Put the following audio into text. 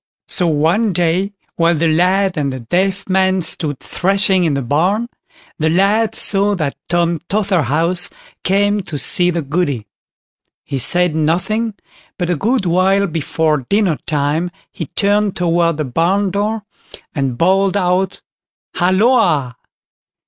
So one day, while the lad and the deaf man stood thrashing in the barn, the lad saw that Tom Totherhouse came to see the Goody. He said nothing, but a good while before dinnertime he turned toward the barn door, and bawled out "Halloa!"